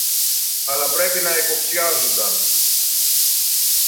αλλά πρέπει να υποψιάζουνταν